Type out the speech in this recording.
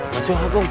masuklah kak kak